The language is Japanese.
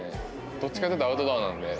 どっちかっていうとアウトドアなので。